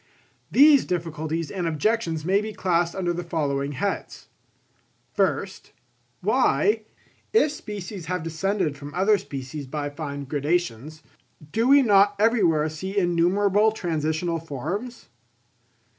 These difficulties and objections may be classed under the following heads: First, why, if species have descended from other species by fine gradations, do we not everywhere see innumerable transitional forms?